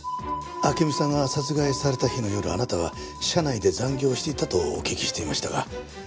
暁美さんが殺害された日の夜あなたは社内で残業していたとお聞きしていましたが。